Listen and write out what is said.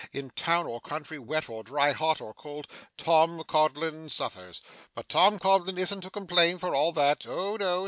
In town or country, wet or dry, hot or cold, Tom Codlin suffers. But Tom Codlin isn't to complain for all that. Oh, no!